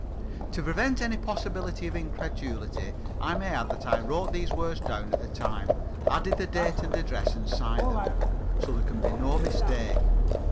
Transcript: To prevent any possibility of incredulity, I may add that I wrote those words down at the time, added the date and address, and signed them; so there can be no mistake.